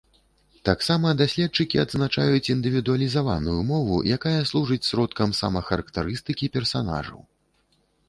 Таксама даследчыкі адзначаюць індывідуалізаваную мову, якая служыць сродкам самахарактарыстыкі персанажаў.